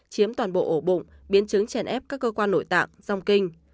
chiếm toàn bộ ổ bụng biến chứng chèn ép các cơ quan nội tạng dòng kinh